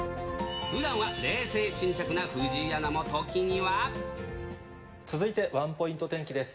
ふだんは冷静沈着な藤井アナ続いてワンポイント天気です。